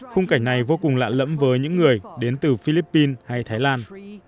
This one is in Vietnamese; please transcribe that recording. khung cảnh này vô cùng lạ lẫm với những người đến từ philippines hay thái lan